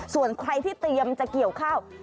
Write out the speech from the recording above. ส่วนใครที่เตรียมจะเกี่ยวข้าว